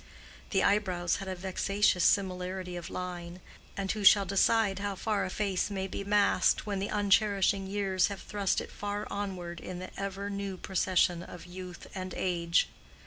The eyebrows had a vexatious similarity of line; and who shall decide how far a face may be masked when the uncherishing years have thrust it far onward in the ever new procession of youth and age?